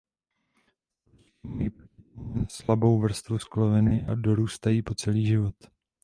Stoličky mají proti tomu jen slabou vrstvu skloviny a dorůstají po celý život.